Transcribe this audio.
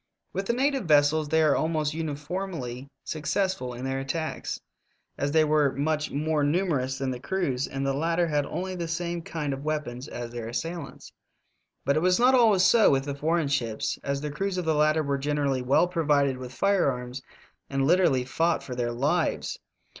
With the native vessels they were almost uni formly successful in their attacks, as they were much more numerous than the crews, and the lat ter had only the same kind of weapons as their assailants. But it was not always so with the foreign ships, as the crews of the latter were gen erally well provided with firearms and literally fought for their lives.